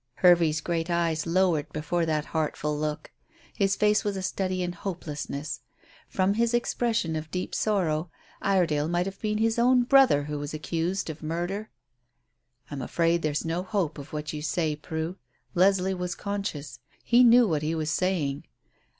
Hervey's great eyes lowered before that heartful look. His face was a study in hopelessness. From his expression of deep sorrow Iredale might have been his own brother who was accused of murder. "I'm afraid there is no hope of what you say, Prue. Leslie was conscious; he knew what he was saying.